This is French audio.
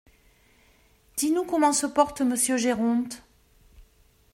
Dis-nous comment se porte Monsieur Géronte.